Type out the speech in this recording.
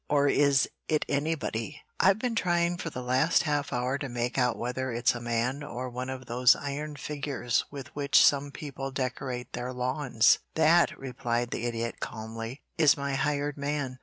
"Or is it anybody? I've been trying for the last half hour to make out whether it's a man or one of those iron figures with which some people decorate their lawns." "That," replied the Idiot, calmly, "is my hired man.